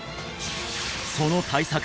その対策